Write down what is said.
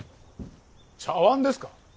茶碗ですか？